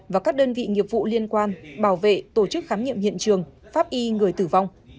và các đơn vị nghiệp vụ liên quan bảo vệ tổ chức khám nghiệm hiện trường pháp y người tử vong